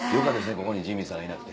ここにジミーさんいなくて。